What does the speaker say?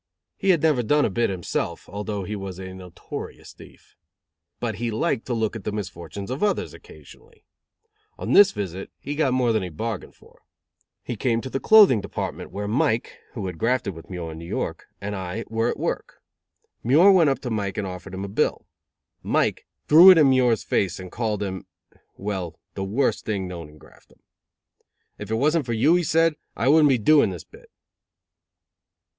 He had never done a bit himself, although he was a notorious thief. But he liked to look at the misfortunes of others, occasionally. On this visit he got more than he bargained for. He came to the clothing department where Mike, who had grafted with Muir in New York, and I, were at work. Muir went up to Mike and offered him a bill. Mike threw it in Muir's face and called him well, the worst thing known in Graftdom. "If it wasn't for you," he said, "I wouldn't be doing this bit."